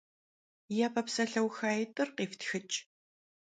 Yape psalheuxait'ır khiftxıç'.